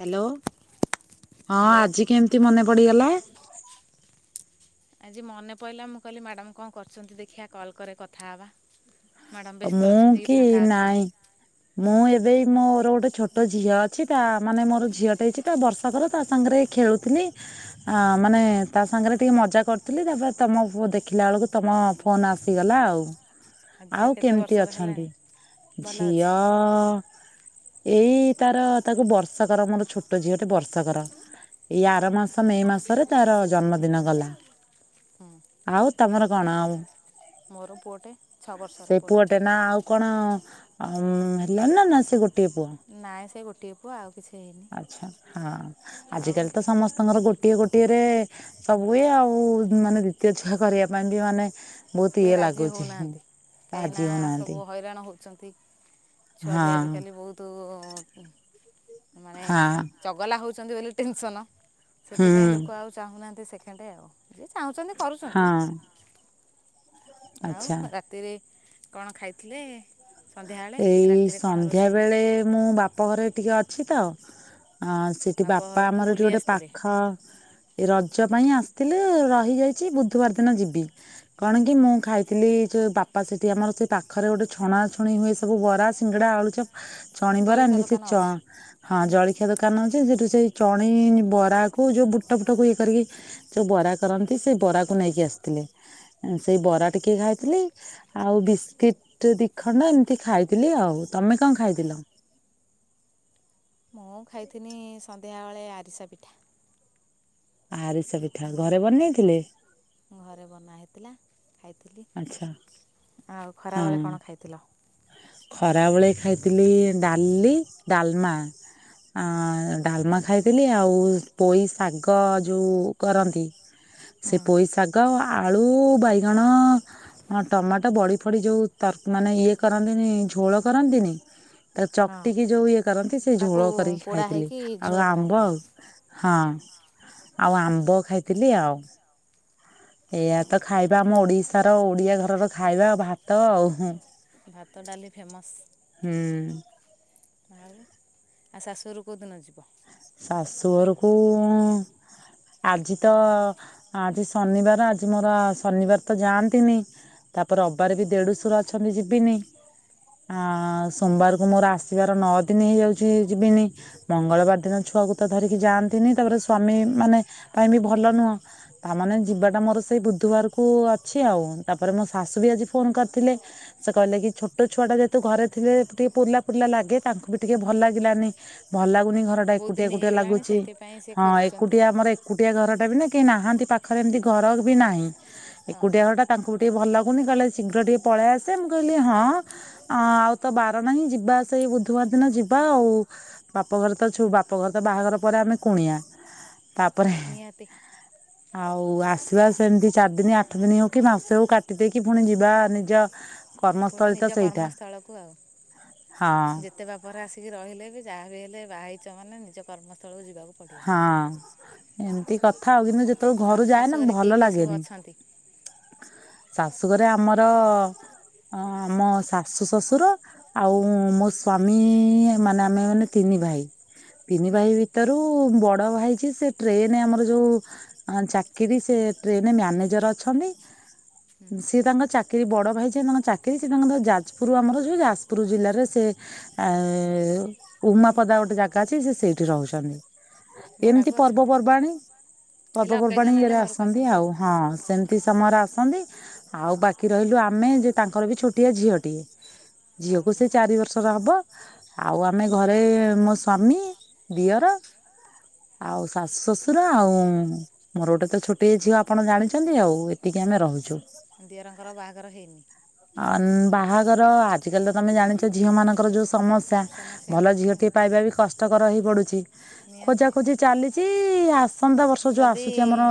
Hello, ହଁ hello ଆଜି କେମିତି ମନେ ପଡିଗଲା? ଆଜି ମନେ ପଇଲା, ମୁଁ କହିଲି ମାଡ଼ାମ୍ କଣ କରୁଛନ୍ତି, ଦେଖିବା କଲ୍ କରେ କଥା ହବା? ମାଡ଼ାମ୍ ବ୍ୟସ୍ତ ମୁଁ ଅଛନ୍ତି କି? ଫାଙ୍କା ନାଇଁ ଅଛନ୍ତି? ମୁଁ ଏବେ ଏଇ ମୋର ଗୋଟେ ଛୋଟ ଝିଅ ଅଛି ତା, ମାନେ ମୋର ଝିଅଟେ ହେଇଛି ତ ବର୍ଷ କର ତା ସାଙ୍ଗରେ ଖେଳୁ ପି ନେଇ ଅ ମାନେ ତା ସାଙ୍ଗରେ ଟିକେ ମଜା କରୁଥିଲି। ତା'ପରେ ତମ ଫୋ ଦେଖିଲା ବେଳକୁ ତମ ଫ ଫୋନ୍ ଆସିଗଲା ଆଉ। ଝିଅ ଆଉ କେତେ କେମିତି ବର୍ଷର ଅଛନ୍ତି? ହେଲାଣି ଭଲ ଅଛି ଝିଅ-ଅ ଏଇ ତାର ତାକୁ ବର୍ଷକର ମୋର ଛୋଟ ଝିଅଟେ ବର୍ଷକର। ଏଇ ଆର ମାସ ମେ ମାସରେ, ତାର ଜନ୍ମଦିନ ଗଲା। ହୁଁ। ଆଉ ତମର କଣ ଆଉ? ମୋର ପୁଅଟେ। ଛଅ ବର୍ଷର ସେ ପୁଅଟେ ନା ଆଉ କଣ ଅ ହେଲାଣି ନା, ନା ସେ ଗୋଟିଏ ପୁଅ? ନାଇଁ ସେଇ ଗୋଟିଏ ପୁଅ ଆଉ, କିଛି ହେଇନି। ଆଚ୍ଛା, ହଁ ଆଉ ଆଜିକାଲି ତ ସମସ୍ତଙ୍କର ଗୋଟ୍ ଟିଏ ଗୋଟିଏ ରେ ସବୁ ଇଏ ଆଉ, ମାନେ ଦ୍ଵିତୀୟ ଛୁଆ କରିବା ପାଇଁ ବି ମାନେ ବହୁତ କେ ଇଏ ରାଜି ଲାଗୁଛି। ହଉନାହାଁନ୍ତି। କାହିଁକି ରାଜି ନା, ହଉନାହାନ୍ତି ସବୁ ହଇରାଣ ହଉଛନ୍ତି। ଛୁଆ ବି ହଁ ଆଜିକାଲି ବହୁତ୍ ତୁ-ଉ ମାନେ ହଁ ଚଗଲା ହଉଛନ୍ତି ବୋଲି ଟେନସନ୍। ସେଥିପାଇଁ ହୁଁ ଲୋକ ଆଉ ଚାହୁଁନାହାଁନ୍ତି ସେକେଣ୍ଡେ ଆଉ। ଯିଏ ଚାହୁଁଛନ୍ତି କରୁଛନ୍ତି। ହଁ ଆଉ ଆଚ୍ଛା ରାତିରେ କଣ ଖାଇଥିଲେ? ସନ୍ଧ୍ୟାବେଳେ ଏଇ ରାତିରେ କ'ଣ ସନ୍ଧ୍ୟା ରୋଷେଇ ହେଇଛି ବେଳେ ମୁଁ ବାପ ଘରେ ଟିକେ ଅଛି ତ! ସେଠି ବାପ ବାପା ଘରକୁ ଆମର ଏଠି ବୁଲି ଗୋଟେ ଆସିଥିଲେ ପାଖ ଏ ରଜ ପାଇଁ ଆସିଥିଲେ, ରହିଯାଇଛି ବୁଧବାର ଦିନ ଯିବି। କଣ କି ମୁଁ ଖାଇଥିଲି ଯୋଉ ବାପା ସେଠି ଆମର ସେ ପାଖରେ ଗୋଟେ ଛଣା ଛଣି ହୁଏ ସେ ସବୁ ବରା, ଶିଙ୍ଗଡା, ଆଳୁଚପ୍, ଚଣିବରା ଜଳଖିଆ ଏମତି ସେ ଦୋକାନ ଚ ଅଛି ହଁ, ଜଳଖିଆ ଦୋକାନ ଅଛି। ସେଠୁ ସେଇ ଚଣେଇ ବରା କୁ ଯୋଉ ବୁଟ ଫୁଟ କୁ ଇଏ କରିକି ଯୋଉ ବରା କରନ୍ତି, ସେ ବରାକୁ ନେଇକି ଆସିଥିଲେ। ସେଇ ବରା ଟିକେ ଖାଇଥିଲି ଆଉ ବିସ୍କିଟ ଦିଖଣ୍ଡ ଏମ ଏମତି ଖାଇଥିଲି ଆଉ। ତମେ କଣ ଖାଇଥିଲ? ମୁଁ ଖାଇଥିନି ସନ୍ଧ୍ୟାବେଳେ ଆରିସା ପିଠା। ଆରିସା ପିଠା ଘରେ ବନେଇଥିଲେ? ଘରେ ବନା ହେଇଥିଲା ଖାଇଥିଲି। ଆଛା। ଆଉ ଖରାବେଳେ କଣ ଖାଇଥିଲ? ଖରାବେଳେ ଖାଇଥିଲି ଡାଲି ଡାଲମା ଆଁ ଡାଲମା ଖାଇଥିଲି, ଆଉ ପୋଇ ଶାଗ ଯୋଉ କରନ୍ତି ସେ ହୁଁ ପୋଇ ଶାଗ ଆଳୁ ବାଇଗଣ ଟମାଟ ବଢି ପଡି ଯୋଉ ତ ମାନେ ଇଏ କରନ୍ତିନି ଝୋଳ କରନ୍ତିନି ତାକୁ ହଁ ଚକଟିକି ଯୋଉ ଇଏ କରନ୍ତି। ସେ ତାକୁ ଝୋଳ କରିକି ପୋଡ଼ା ଖାଇଥିଲି ହେଇକି ଝୋଳ ଆଉ ଆମ୍ବ କରାହେଇଥିଲା ଆଉ। ହଁ ଆଉ ଆମ୍ବ ଖାଇଥିଲି ଆଉ। ଏଇଆ ତ ଖାଇବା ଆମ ଓଡ଼ିଶାର ଓଡ଼ିଆ ଘରର ଖାଇବା ଆ ଭାତ ଆଉ ହୁଁ। ଭାତ ଡାଲି ଫେମସ୍। ହୁଁ। ଆଉ ଆ ଶାଶୁଘରକୁ କୋଉଦିନ ଯିବ? ଶାଶୁଘରକୁ ଆଜି ତ ଆଜି ଶନିବାର ଆଜି ମୋର ଶନିବାର ତ ଯାଆନ୍ତିନି। ତା ପରେ ରବିବାରେ ବି ଦେଢୁଶୁର ଅଛନ୍ତି ଯିବିନି। ଆଁ। ସୋମବାରକୁ ମୋର ଆସିବାର ନଅ ଦିନ ହେଇଯାଉଛି ଯିବିନି। ମଙ୍ଗଳବାର୍- ଦିନ ଛୁଆକୁ ତ ଧରିକି ଯାଆନ୍ତିନି। ତାପରେ ସ୍ଵାମୀ ମାନେ ପାଇଁ ବି ଭଲ ନୁହଁ। ତାମାନେ ଯିବାଟା ମୋର ସେଇ ବୁଧବାରକୁ ଅଛି ଆଉ। ତାପରେ ମୋ ଶାଶୁ ବି ଆଜି ଫୋନ୍ କରିଥିଲେ। ସେ କହିଲେ କି ଛୋଟ ଛୁଆଟା ଯେହେତୁ ଘରେ ଥିଲେ ଟିକେ ପୁରିଲା ପୁରିଲା ଲାଗେ ତାଙ୍କୁ ବି ଟିକେ ଭଲ ଲାଗିଲାନି ଭଲ ଲାଗୁନି ଘରଟା ବହୁତ ଏକୁଟିଆ ଦିନ ଏକୁଟିଆ ହେଇଗଲାଣି ଲାଗୁଛି। ସେଇଥିପାଇଁ ସେ ହଁ ଖୋଜୁଛନ୍ତି ଏକୁଟିଆ ଆଉ ଆମର କୁଟିଆ ଘରଟା ବି ନା କେହି ନାହାନ୍ତି ପାଖରେ ଏମିତି ଘର ବି ନାହିଁ। ଏକୁଟିଆ ଓହୋ ଘର ଟା ତାଙ୍କୁ ଟିକେ ଭଲ ଲାଗୁନି କହିଲେ ଶୀଘ୍ର ଟିକେ ପଳେଇ ଆସେ ମୁଁ କହିଲି ହଁ ଅ ଆଉ ତ ବାର ନାହିଁ ଯିବା ସେଇ ବୁଧବାର ଦିନ ଯିବା ଆଉ ବାପଘରେ ତ ଛୁ ବାପ ପଘରେ ତ ବାହାଘର ପରେ ଆମେ କୁଣିଆ ତାପରେ ନିହାତି ଆଉ ଆସିବା ସେମିତି ଚାରି ଦିନି ଆଠ ଦିନ ହଉ କି ମାସେ ହଉ କାଟି ଦେଇକି ପୁଣି ଯିବା ନିଜ ପୁଣି କର୍ମସ୍ଥଳୀ ତ ନିଜ ସେଇଟା କର୍ମସ୍ଥଳକୁ ଆଉ। ହଁ ଯେତେ ଏତେ ବାପଘରେ ଆସିକି ରହିଲେ ବି ଯାହା ବିି ହେଲେ ବାହା ହେଇଚ ମାନେ ନିଜ କର୍ମସ୍ଥଳକୁ ଯିବାକୁ ପଡ଼ିବ। ହଁ ଏମିତି କଥା ଆଉ କିନ୍ତୁ ଯେତେବେଳେ ଘରୁ ଆଉ ଯାଏନା ଶାଶୁଘରେ ଭଲ କିଏ କିଏ ସବୁ ଲାଗେନି। ଅଛନ୍ତି ଶାଶୁଘରେ ଆମର ଆଁ ଆମ ଶାଶୁ ଶଶୁର ଆଉ ମୋ ସ୍ଵାମୀ ମାନେ ଆମେ ମାନେ ତିନି ଭାଇ। ତିନି ଭାଇ ଭିତରୁ ରୁ ବଡ଼ ଭାଇ ଯିଏ ଟ୍ରେନ ଆମର ଯୋଉ ଆଁ ଚାକିରି ସେ ଟ୍ରେନ ମ୍ୟାନେଜର ଅଛନ୍ତି। ସିଏ ତାଙ୍କ ଚାକିରି ବଡ ଭାଇ ଯେ ତାଙ୍କ ଚାକିରି ସେ ତାଙ୍କର ଯାଜପୁର ଆମର ଯୋଉ ଯାଜପୁର ଜିଲ୍ଲାରେ ସେ ଆ ଉମାପଦା ଗୋଟେ ଜାଗା ଅଛି ସେ ସେଇଠି ରହୁଛନ୍ତି। ଏମିତି ଭଡ଼ାକୁ ଅଛନ୍ତି ପର୍ବପର୍ବାଣୀ ହେଲେ ପର୍ବପର୍ବାଣୀ ଅକେଜନ୍ ହେଲେ ଇଏରେ ଘରକୁ ଆସନ୍ତି ଆଉ ହଁ ସେମିତି। ସେ ସମୟରେ ଆସନ୍ତି ଆଉ ବାକି ରହିଲୁ ଆମେ ଯେ ତାଙ୍କର ବି ଛୋଟିଆ ଝିଅଟିଏ। ହଁ ଝିଅକୁ ହଁ ସେ ଚାରି ବର୍ଷର ହବ। ଆଉ ଆମେ ଘରେ ମୋ ସ୍ଵାମୀ ଦିଅର। ଆଉ ଶାଶୁ ଶ୍ୱଶୁର ଆଉ ମୋର ଗୋଟେ ତ ଛୋଟିଆ ଝିଅ ଆପଣ ଜାଣିଚନ୍ତି ଆଉ ଏତିକି ଆମେ ରହୁଚୁ। ଦିଅରଙ୍କର ବାହାଘର ହେଇନି? ଅଂ ବାହାଘର ଆଜିକାଲି ତ ତମେ ଜାଣିଛ ଝିଅ ମାନଙ୍କର ଯୋଉ ସମସ୍ୟା ସମସ୍ୟା ଭଲ ହେଉଛି ଆଉ ଝିଅଟିଏ ପାଇବା ବି କଷ୍ଟକର ହେଇପଡୁଛି ନିହାତି ଖୋଜା ଖୋଜି ଚାଲିଛି ଆସ ପନ୍ଦ ବର୍ଷ ଯୋଉ ଯଦି ଆସୁଚି ଆମର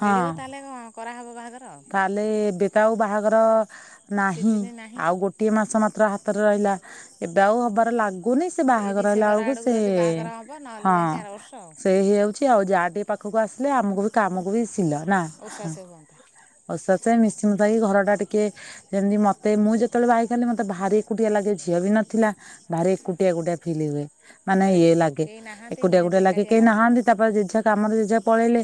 ହଁ ମିଳିବ ତାହେଲେ କରାହେବ ବାହାଘର ଆଉ ତା- ହେଲେ ବେତା ଆଉ ବାହାଘର ନାହିଁ। ସିଜିନ୍ ନାହିଁ ଆଉ ଗୋଟିଏ ମାସ ମାତ୍ର ହାତରେ ରହିଲା। ଏବେ ଆଉ ହବାର ଲାଗୁ କୁନି ସେ ସେଇ ବାହାଘର ହେଲା ଡିସେମ୍ବର ବେଳକୁ ଆଡ଼କୁ ସେ ଯଦି ବାହାଘର ହେବ ନହେଲେ ହଁ ଯାଇକି ଆର ବର୍ଷ ଆଉ ସେ ହେଇଯାଉ- ଅଛି ଆଉ ଯା ଟିକେ ପାଖକୁ ଆସିଲେ ଆମକୁ ବି କାମକୁ ବି ସିଲ ନା। ଓଶ୍ୱାସେ ହୁଅନ୍ତା। ହସ ସେ ମିଶି ମୁସକି ଘର ଟା ଟିକେ କିଏ ଯେମିତି ମତେ ମୁଁ ଯେତେବେଳେ ବାହା ହେଇକି ଆଇଲି ମତେ ଭାରି ଏକୁଟିଆ ଲାଗେ ଝିଅ ବି ନଥିଲା। ଭାରି ଏକୁଟିଆ ଏକୁଟିଆ ଫିଲି ହୁଏ। ମାନେ ଘରେ ଇଏ ଲାଗେ କେହି ନାହାନ୍ତି ଏକୁଟିଆ ନିହାତି ଏକୁଟିଆ ଲାଗେ ଏକାଠିଆ କାଇଁନା ଲାଗୁଥିବ ତା ପାଖେ ଜିନିସ୍- କାମରେ ଜେଜେ ପଳେଇଲେ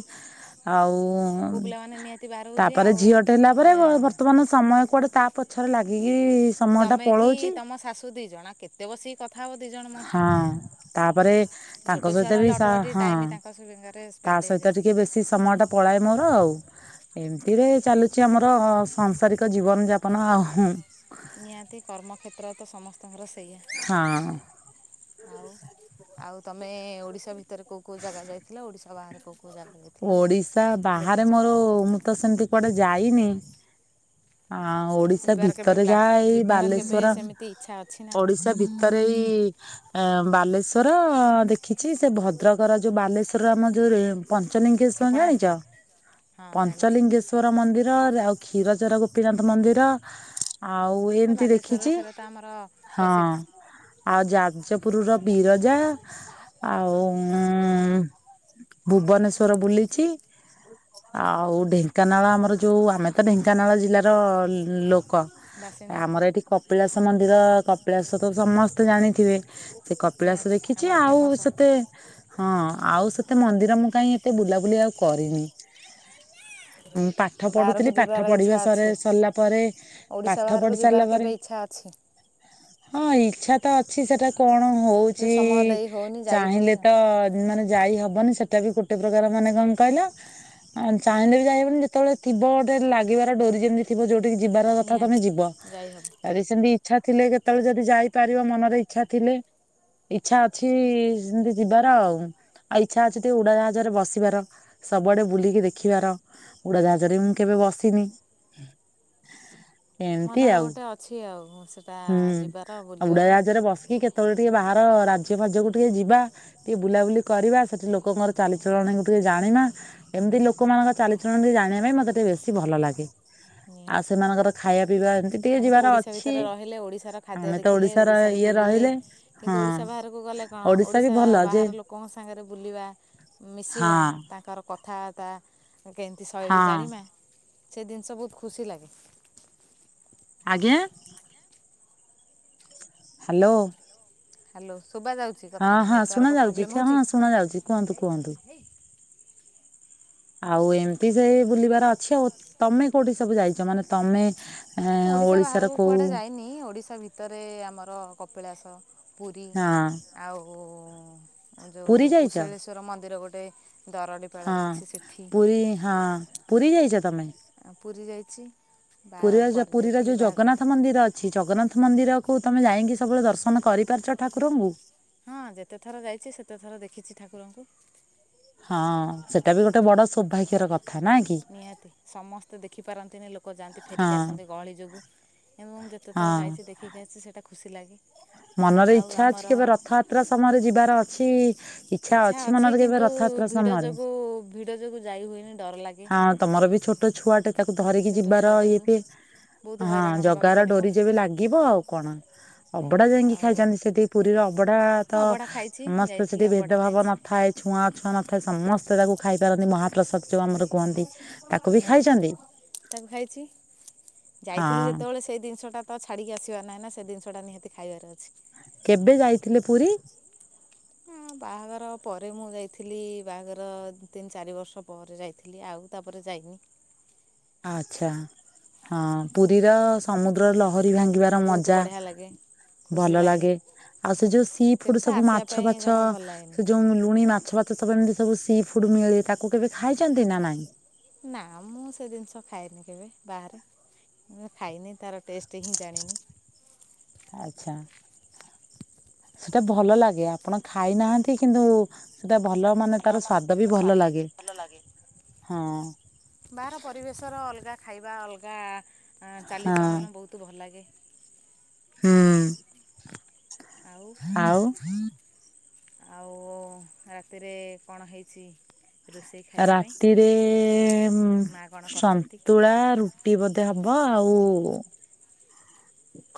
ଆଉ ହୁଁ ପୁଅ ପିଲାମାନେ ନିହାତି ବାହାରକୁ ଯିବେ ତାପରେ ଝିଅ ଟେ ହେଲା ପରେ ବ ଆଉ ବର୍ତ୍ତମାନ ସମୟ କୁଆଡ଼େ ତା ପଛରେ ଲାଗିକି ସମୟ ଟା ତମେ କି ପଳଉଛି ତମ ଶାଶୁ ଦି ଜଣ କେତେ ବସିକି କଥା ହବ ଦି ଜଣ ମଣିଷ ହଁ ତାପରେ ଛୋଟ ତାଙ୍କ ଛୁଆ ସହିତ ବି ରହିଲେ ସ ଅଟୋମେଟିକ୍ ହଁ ଟାଇମ୍ ତାଙ୍କ ସାଙ୍ଗରେ ତା ସ୍ପେଣ୍ଡ ସହିତ ହେଇଯାଏ ଟିକେ ବେଶୀ ସମୟଟା ପଳାଏ ମୋର ଆଉ। ଏମିତିରେ ଚାଲୁଛି ଆମର ସଂସାରିକ ଜୀବନ ଯାପନ ଆହୁ। ନିହାତି କର୍ମକ୍ଷେତ୍ର ତ ସମସ୍ତଙ୍କର ସେଇୟା। ହଁ। ଆଉ ଆଉ ତମେ ଓଡିଶା ଭିତରେ କୋଉ କୋଉ ଜାଗା ଯାଇଥିଲ ଓଡିଶା ବାହାରେ କୋଉ ଓଡିଶା ବାହାରେ ମୋର ମୁଁ ତ ସେମିତି କୁଆଡେ ଯାଇନି। ଆ ଓଡିଶା ଯିବାର କେବେ ଭିତରେ ପ୍ଲାନ୍ ଯାହା ଏଇ ଯିବାର କେବେ ବାଲେଶ୍ଵର ସେମିତି ଇଚ୍ଛା ଅଛି ନା ନାହିଁ ଓଡିଶା ଭିତରେ ଏଇ ଏ ବାଲେଶ୍ଵର ଦେଖିଛି ସେ ଭଦ୍ରକର ଯୋଉ ବାଲେଶ୍ଵର ଆମ ଯୋଉ ପଞ୍ଚଲିଙ୍ଗେଶ୍ଵର ଜାଣିଛ କ୍ଷେପଣାସ୍ତ୍ର ହଁ ଜାଣିଛି ପଞ୍ଚଲିଙ୍ଗେଶ ର ମନ୍ଦିର ଆଉ କ୍ଷୀରଚୋରା ଗୋପୀନାଥ ମନ୍ଦିର ଆଉ ତ ଏମତି ବାଲେଶ୍ୱରରେ ଦେଖିଛି ସେଇଟା ତ ଆମର ହଁ। ପ୍ରସିଦ୍ଧ ଆଉ ଯାଜପୁର ର ବିରଜା ଆଉ ଭୁବନେଶ୍ଵର ବୁଲିଛି। ଆଉ ଢେଙ୍କାନାଳ ଆମର ଜୋଉ ଆମେ ତ ଢେଙ୍କାନାଳ ଜିଲ୍ଲାର ଲୋକ। ବାସିନ୍ଦା ଆମର ଏଠି କପିଳାସ ମନ୍ଦିର କପିଳାସ ତ ସମସ୍ତେ ଜାଣିଥିବେ। ସେ କପିଳାସ ନିହାତି ଦେଖିଛି ଆମର ଆଉ ଫେମସ୍ ସେତେ ହଁ ଆଉ ସେତେ ମନ୍ଦି ମୁଁ କାହିଁ ଏତେ ବୁଲାବୁଲି ଆଉ କରିନି। ମୁଁ ପାଠ ବାହାରକୁ ପଢୁଥିଲି ଯିବାର ପାଠ ଇଚ୍ଛା ପଢିବା ଅଛି ସରିଲା ପରେ ପାଠ ପଢି ସାରିଲା ପରେ ଆଚ୍ଛା ଆଚ୍ଛା। ହଁ ଇଚ୍ଛା ତ ଅଛି ସେଟା କଣ ଯେ ହଉଛି ସମୟ ଦେଇ ହେଉନି ଯାଇ ଚାହିଁଲେ ହେଉନି ଆଉ ତ ମାନେ ଯାଇ ହବନି ସେ ସେଟା ବି ଗୋଟେ ପ୍ରକାର ମାନେ କଣ କହିଲ। ଆଉ ଚାହିଁଲେ ବି ଯାଇହବନି ଯେତେବେଳେ ଯିବ ଗୋଟେ ଲାଗିବାର ଡୋରି ଯେମିତି ଥିବ ଯୋଉଠିକି ଯିବାର କଥା ତମେ ନିହାତି ଯିବ ଯାଇ ହେବ ର ସେମିତି ଇଚ୍ଛା ଥିଲେ କେତେବେଳେ ଯଦି ଯାଇପାରିବ ମନରେ ଇଚ୍ଛା ଥିଲେ। ଇଚ୍ଛା ଅଛି ସେମତି ଯିବାର ଆଉ ଆଉ ଇଚ୍ଛା ଅ ଉଡା ଜାହାଜରେ ବସିବାର ସବୁଆଡେ ବୁଲିକି ଦେଖିବାର। ଉୁଡା ଜାହାଜରେ ମୁଁ କେବେ ବସିନି। ଏମିତି ମନର ଆଉ। ଗୋଟେ ଅଛି ଆଉ ସେଟା ଯିବାର ବୁଲିବାର। ବସ୍ କି କେ ସେତେବେଳେ ଟିକେ ବାହାର ରାଜ୍ୟ ଫାଜକୁ ଟିକେ ଯିବା ଟିକେ ବୁଲାବୁଲି କରିବା ସେଠି ଲୋକ ଲୋକଙ୍କର ଚାଲିଚଳଣି କୁ ଟିକେ ଜାଣିମା। ଏମିତି ଲୋକମାନଙ୍କ ଚାଲିଚଳଣି ଜାଣିବା ପାଇଁ ମତେ ଟିକେ ବେଶୀ ଭଲ ଲାଗେ। ଆଉ ନିହାତି ସେମାନଙ୍କର ଖାଇବା ପିଇବା ଏମିତି ଟିକେ ଆମେ ତ ଯିବାର ଓଡ଼ିଶା ଅଛି। ଭିତରେ ରହିଲେ ଓଡ଼ିଶାର ଖାଦ୍ୟ ଆମେ ତ ଦେଖିଲେ ଓଡିଶାର ଓଡ଼ିଶାରେ ଇଏ ବୁଲିଲେ ରହିଲେ କିନ୍ତୁ ହଁ ଓଡ଼ିଶା ବାହାରକୁ ଗଲେ ହଁ ଓଡିଶା ବି ଓଡ଼ିଶା ଭଲ ଯେ ବାହାର ଲୋକ କଣ ସାଙ୍ଗରେ ବୁଲିବା ମିଶିବା ହଁ ତାଙ୍କର କଥାବାର୍ତ୍ତା କେମିତି ଶୈଳୀ ହଁ ଜାଣିମା ସେ ଜିନିଷ ବହୁତ ଖୁସି ଲାଗେ ଆଜ୍ଞା। ହ୍ୟାଲୋ। ହ୍ୟାଲୋ ଶୁଭା ଯାଉଛି ହଁ କଥା ହଁ ଶୁଣା ନେଟୱାର୍କ ଯାଉଛି ପ୍ରୋବଲମ ହଁ ହଉଛି? ଶୁଣା ଯାଉଛି କୁହନ୍ତୁ କୁହନ୍ତୁ। ଆଉ ଏମତି ସେ ବୁଲିବାର ଅଛି ଆଉ ତମେ କୋଉଠି ସବୁ ଯାଇଛ ମାନେ ତମେ ଆଁ ଓଡିଶାର କୋଉ ନି ଓଡ଼ିଶା ଭିତରେ ଆମର କପିଳାସ ପୁରୀ ହଁ ଆଉ ପୁରୀ ଯୋଉ ଯାଇଛ କୁଶଳେଶ୍ଵର ମନ୍ଦିର ଗୋଟେ ଦରଡ଼ିପେଳାରେ ଅଛି ସେଠି [unintelligible] ରୁଇ ହଁ ପୁରୀ ଯାଇଛ ତମେ? ପୁରୀ ଯାଇଛି। ବାହାଘର ପୁରୀରେ ଯ ପରେ ପୁରୀର ଯାଇଥିଲି ଯୋଉ ବାହାଘର ଜଗନ୍ନାଥ ମନ୍ଦିର ଅଛି ଅଛି ଜଗନ୍ନାଥ ମନ୍ଦିରକୁ ତମେ ଯାଇକି ସବୁବେଳେ ଦର୍ଶନ କରିପାରୁଛ ଠାକୁରଙ୍କୁ ହଁ ଯେତେ ଥର ଯାଇଛି ସେତେ ଥର ଦେଖିଛି ଠାକୁରଙ୍କୁ ହଁ ସେଟା ବି ଗୋଟେ ବଡ ସୌଭାଗ୍ୟ ର କଥା ନା କି? ନିହାତି ସମସ୍ତେ ଦେଖିପାରନ୍ତିନି ଲୋକ ଯାଆନ୍ତି ହଁ ଫେରିକି ଆସନ୍ତି ଗହଳି ଯୋଗୁଁ ଏବଂ ଯେତେଥର ହଁ ଯାଇଛି ଦେଖିକି ଆସିଛି ସେଇଟା ଖୁସି ଲାଗେ ମନରେ ଆଉ ଇଚ୍ଛା ଅଛି ଆମର କେବେ ରଥଯାତ୍ରା ସମୟରେ ଯିବାର ଅଛି? ଇଚ୍ଛା ଅଛି ମନରେ କେବେ କିନ୍ତୁ ରଥଯାତ୍ରା ଭିଡ଼ ସମୟରେ ଯୋଗୁଁ ଭିଡ଼ ଯୋଗୁ ଯାଇ ହୁଏନି ଡର ଲାଗେ ହଁ ତମର ବି ଛୋଟ ଛୁଆ ଟେ ତାକୁ ଧରିକି ଛୋଟ ଯିବାର ଛୁଆ ଇଏ ଯୋଗୁଁ ବି ବହୁତ ହଁ ହଇରାଣ ହେବାକୁ ଜଗାର ପଡ଼ିବ ଡୋରି ଯେବେ ଲାଗିବ ଆଉ କଣ? ଅବଡା ଯାଇକି ଆଉ ଖାଇଛନ୍ତି ସେଠି ପୁରୀର ଅବଢ଼ା ତ ହଁ ଅବଢ଼ା ଖାଇଛି ସମସ୍ତେ ଯାଇଥିଲି ସେଠି ଅବଢ଼ା ଭେଦଭାବ ଖାଇଛି ନଥାଏ ଛୁଆଁ ଅଛୁଆଁ ନଥାଏ ସମସ୍ତେ ତାକୁ ଖାଇପାରନ୍ତି ମହାପ୍ରସାଦ ଯୋଉ ଆମର କୁହନ୍ତି। ତାକୁ ବି ନିହାତି ଖାଇଛନ୍ତି ତାକୁ ଖାଇଛି ହଁ ଯାଇଥିଲି ଯେତେବେଳେ ସେଇ ଜିନିଷଟା ତ ଛାଡିକି ଆସିବାର ନାହିଁ ନା ସେ ଜିନିଷଟା ନିହାତି ଖାଇବାର ଅଛି। କେବେ ଯାଇଥିଲେ ପୁରୀ? ହ ବାହାଘର ପରେ ମୁଁ ଯାଇଥିଲି ବାହାଘର ତିନି ଚାରି ବର୍ଷ ପରେ ଯାଇଥିଲି ଥିଲି ଆଉ ତାପରେ ଯାଇନି ଆଛା ହଁ ପୁରୀର ସମୁଦ୍ର ଲହରୀ ଭାଙ୍ଗିବାର ବହୁତ ମଜା ବଢ଼ିଆ ଲାଗେ ଭଲ ଲାଗେ ଆଉ ସେ ଯୋଉ ସି ଫୁଡ ସେଠି ତ ସବୁ ଆସିବା ମାଛ ପାଇଁ ଫାଛ ଜମା ଭଲ ଲାଗେନି ସେ ଯୋଉ ଲୁଣି ମାଛ ଏମିତି ସବୁ ସି ଫୁଡ ମିଳେ ତାକୁ କେବେ ଖାଇଛନ୍ତି ନା ନାଇଁ ନା ମୁଁ ସେ ଜିନିଷ ଖାଇନି କେବେ ବାହାରେ ମୁଁ ଖାଇନି ତାର ଟେଷ୍ଟ ହିଁ ଜାଣିନି ଆଚ୍ଛା। ସେଟା ଭଲ ଲାଗେ ଆପଣ ଖାଇନାହାନ୍ତି କିନ୍ତୁ ସେଟା ଭଲ ମାନେ ତାର ସ୍ଵାଦ ବି ମାନେ ଭଲ ଲାଗେ ଭଲ ଲାଗେ ହଁ ବାହାର ପରିବେଶର ଅଲଗା ଖାଇବା ଅଲଗା ହଁ ଚାଲିଚଳଣ ବହୁତ ଭଲ ଲାଗେ ହୁଁ ଆଉ ଆଉ। ଆଉ ରାତିରେ କଣ ହେଇଛି? ରୋଷେଇ ଖାଇବା ପାଇଁ ରାତିରେ ମା କ'ଣ କରିଛନ୍ତି ସନ୍ତୁଳା ରୁ ରୁଟି ବୋଧେ ହବ ଆଉ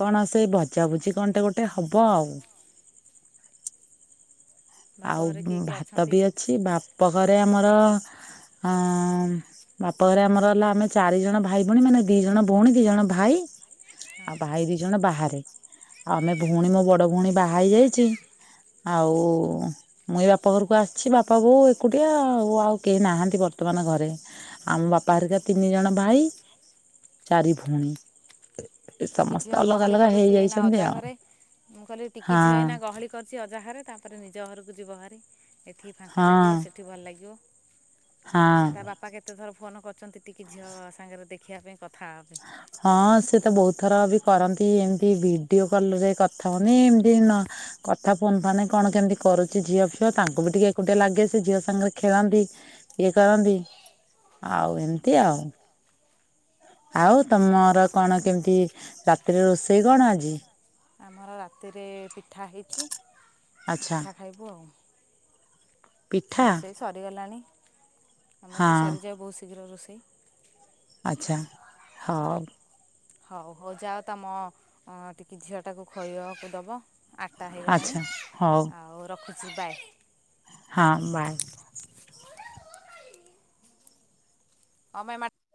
କଣ ସେ ଭଜା ଭୁଜି କଣଟେ ଗୋଟେ ହବ ଆଉ ବାପ ଆଉ ଘରେ କିଏ କିଏ ଭାତ ଅଛନ୍ତି ବି ଅଛି ବାପ ଘରେ ଆମର ବାପଘରେ ଆମର ହେଲା ଆମେ ଚାରି ଜଣ ଭାଇ ଭଉଣୀ ମାନେ ଦି ଜଣ ଭଉଣୀ ଦି ଜଣ ଭାଇ ଆଉ ହଁ ଭାଇ ଦି ଜଣ ବାହାରେ ଆଉ ଆମେ ଭଉଣୀ ମୋ ବଡ ଭଉଣୀ ବାହା ହେଇ ଯାଇଛି ଆଉ ମୁଁ ଏ ବାପା ଘରକୁ ଆସିଛି ବାପା ବୋଉ ଏକୁଟିଆ ଆଉ ଆଉ କେହି ନାହାନ୍ତି ବର୍ତ୍ତମାନ ଘରେ। ଆମ ବାପା ହେରିକା ତିନି ଜଣ ଭାଇ ଚାରି ଭୋଉଣୀ। ଟିକି ଝିଅ ଗହଳି କରୁଚି ଏଇନା ଅଜା ଆଉ ଘରେ ମୁଁ କହିଲି ଟିକି ହଁ ଝିଅ ଏଇନା ଗହଳି କରୁଚି ଅଜାହରେ ତାପରେ ନିଜ ହରୁକୁ ଯିବ ହାରି ଏଠି ଫାଙ୍କା ହଁ ଲାଗିବ ସେଠି ଭଲ ଲାଗିବ। ହଁ। ଆ ତା ବାପା କେତେ ଥର ଫୋନ୍ କରିୁଚନ୍ତି ଟିକେ ଝିଅ ସାଙ୍ଗରେ ଦେଖିବା ପାଇଁ କଥା ହବା ପାଇଁ? ହଁ ସେ ତ ବୋହୁତ ଥର ବି କରନ୍ତି ଏମିତି ଭିଡ଼ିଓ କଲ୍ ରେ କଥା ହୁଅନ୍ତି ଏମତି ନ କଥା ଫୋନ୍ ଫାନେ କଣ କେମିତି କରୁଚି ଝିଅ ଫିଅ ତାଙ୍କୁ ବି ଟିକେ ଏକୁଟିଆ ଲାଗେ ସେ ଝିଅ ସାଙ୍ଗରେ ଖେଳନ୍ତି। ଇଏ କରନ୍ତି ଆଉ ଏମିତି ଆଉ। ଆଉ ତମର କଣ କେମତି ରାତିରେ ରୋଷେଇ କଣ ଆଜି? ଆମର ରାତିରେ ପିଠା ହେଇଚି ଆଚ୍ଛା ପିଠା ଖାଇବୁ ଆଉ। ପିଠା ରୋଷେଇ ସରିଗଲାଣି ଆମର ହଁ ତ ସରିଯାଏ ବୋହୁ ଶୀଘ୍ର ରୋଷେଇ। ଆଚ୍ଛା ହଉ। ହଉ ହୋଉ ଯାଅ ତମ ଅ ଟିକି ଝିଅଟାକୁ ଖୋଇବାକୁ ଦବ। ଆଟା ଆଚ୍ଛା ହେଇଗଲାଣି ହଉ ଆଉ ରଖୁଚି ବାଏ। ହଁ ବାଏ। କମାଇଁ ମା